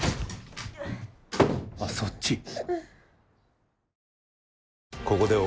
あそっち？